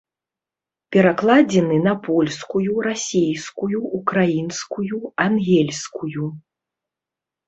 Перакладзены на польскую, расейскую, украінскую, ангельскую.